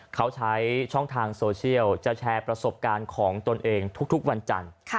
เขาใช้ช่องทางโซเชียลจะแชร์ประสบการณ์ของตนเองทุกวันจันทร์